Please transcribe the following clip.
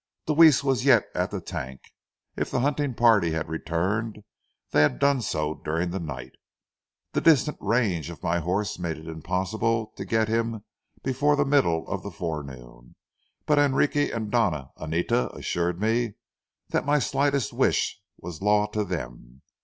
Deweese was yet at the tank. If the hunting party had returned, they had done so during the night. The distant range of my horse made it impossible to get him before the middle of the forenoon, but Enrique and Doña Anita assured me that my slightest wish was law to them.